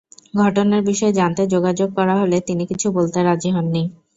ঘটনার বিষয়ে জানতে যোগাযোগ করা হলে তিনি কিছু বলতে রাজি হননি।